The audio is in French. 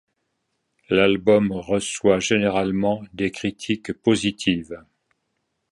L’album reçoit généralement des critiques positives.